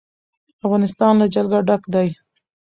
افغانستان له جلګه ډک دی.